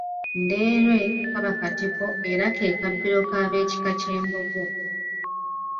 Ndeerwe kaba katiko era ke kabbiro k’abe kika ky’Embogo.